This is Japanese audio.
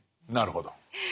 なるほど。